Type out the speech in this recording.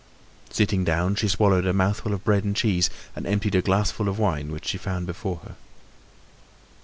Sitting down, she swallowed a mouthful of bread and cheese, and emptied a glass full of wine which she found before her.